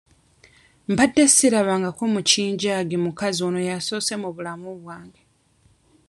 Mbadde sirabangako mukinjaagi mukazi ono y'asoose mu bulamu bwange.